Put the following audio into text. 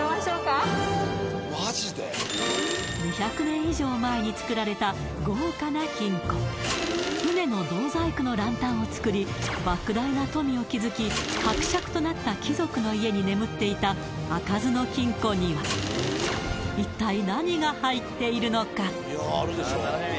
２００年以上前に作られた豪華な金庫船の銅細工のランタンを作り莫大な富を築き伯爵となった貴族の家に眠っていた開かずの金庫には一体うわ